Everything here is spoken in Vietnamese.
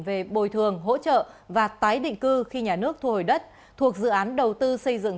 về bồi thường hỗ trợ và tái định cư khi nhà nước thu hồi đất thuộc dự án đầu tư xây dựng